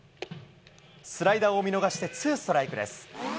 スライダーを見逃してツーストライクです。